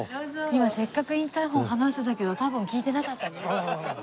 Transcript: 今せっかくインターホン話してたけど多分聞いてなかったね。